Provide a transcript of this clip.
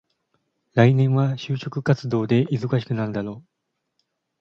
来年は就職活動で忙しくなるだろう。